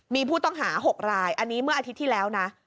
มีผู้ต้องหา๖รายอันนี้เมื่ออาทิตย์ที่แล้วนะ